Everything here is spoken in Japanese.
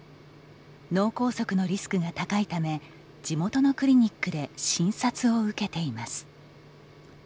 脳梗塞のリスクが高いため地元のクリニックで診察を受けています。